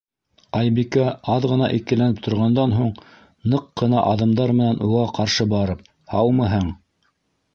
Айбикә, аҙ ғына икеләнеп торғандан һуң, ныҡ ҡына аҙымдар менән уға ҡаршы барып: - Һаумыһың